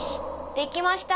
できました。